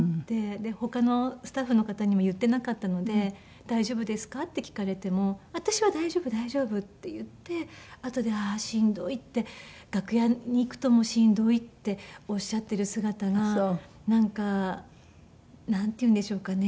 で他のスタッフの方にも言ってなかったので「大丈夫ですか？」って聞かれても「私は大丈夫大丈夫」って言ってあとで「ああーしんどい」って楽屋に行くと「しんどい」っておっしゃってる姿がなんかなんていうんでしょうかね。